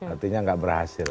artinya gak berhasil